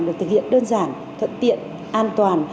được thực hiện đơn giản thận tiện an toàn